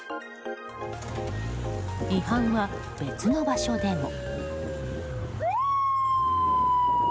違反は別の場所でも。